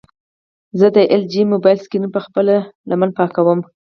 زه د ایل جي موبایل سکرین په خپله لمن پاکوم.